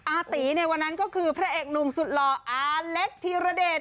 อาตีในวันนั้นก็คือพระเอกหนุ่มสุดหล่ออาเล็กธีรเดช